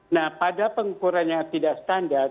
nah pada pengukurannya tidak standar